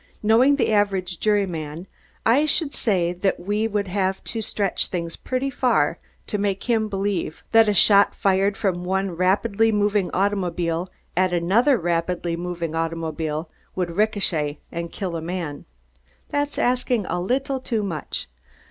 Knowing the average juryman, I should say that we would have to stretch things pretty far to make him believe that a shot fired from one rapidly moving automobile at another rapidly moving automobile would ricochet and kill a man. That's asking a little too much.